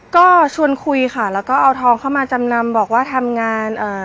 ก็ชวนคุยค่ะแล้วก็เอาทองเข้ามาจำนำบอกว่าทำงานอ่า